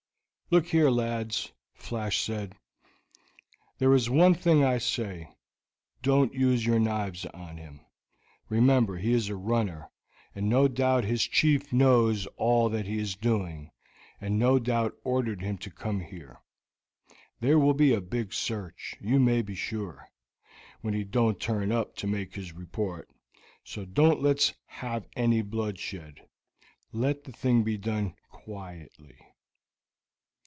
"Look here, lads," Flash said. "There is one thing I say don't use your knives on him; remember he is a runner, and no doubt his chief knows all that he is doing, and no doubt ordered him to come here. There will be a big search, you may be sure, when he don't turn up to make his report. So don't let's have any bloodshed. Let the thing be done quietly."